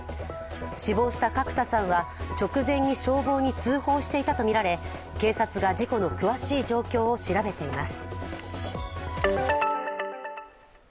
死亡した角田さんは直前に消防に通報していたとみられ、警察が事故の詳しい状況を調べています。